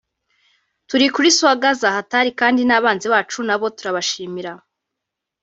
tuba turi kuri swagga za hatari kandi n’abanzi bacu nabo turabashimira”